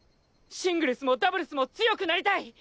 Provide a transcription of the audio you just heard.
シングルスもダブルスも強くなりたい！